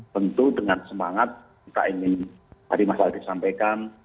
tentu dengan semangat kita ingin tadi mas aldi sampaikan